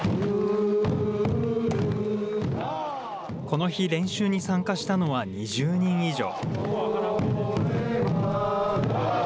この日、練習に参加したのは２０人以上。